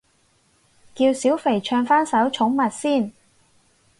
叫小肥唱返首寵物先